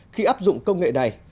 khi áp dụng công nghệ này